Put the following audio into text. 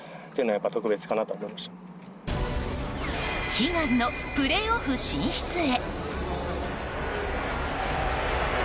悲願のプレーオフ進出へ。